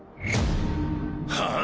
はあ？